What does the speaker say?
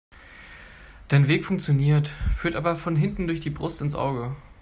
Dein Weg funktioniert, führt aber von hinten durch die Brust ins Auge.